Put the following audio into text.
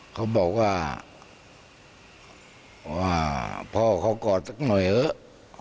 เขาบอกว่าพ่อเขากอดสักหน่อยเถอะ